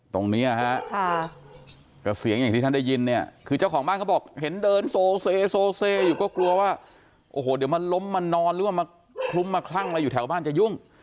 ตรงนี้ฮะก็เสียงอย่างที่ท่านได้ยินเนี่ยคือเจ้าของบ้านเขาบอกเห็นเดินโซเซอยู่ก็กลัวว่าโอ้โหเดี๋ยวมันล้มมานอนหรือว่ามาคลุ้มมาคลั่งอะไรอยู่แถวบ้านจะยุ่ง